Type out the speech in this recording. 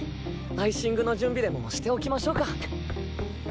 アイシングの準備でもしておきましょうか。